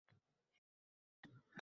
Bu bilan biz ham ularga yaqin